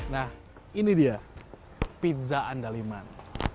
nah ini dia pizza andaliman